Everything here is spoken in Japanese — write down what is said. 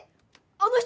あの人